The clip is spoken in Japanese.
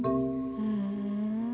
ふん。